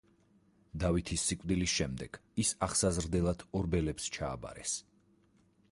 დავითის სიკვდილის შემდეგ ის აღსაზრდელად ორბელებს ჩააბარეს.